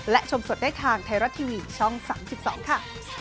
และชมสดได้ทางไทยรัฐทีวีช่อง๓๒ค่ะ